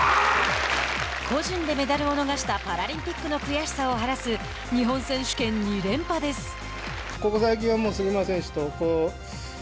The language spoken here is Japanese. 個人でメダルを逃したパラリンピックの悔しさを晴らす日本選手権２連覇です。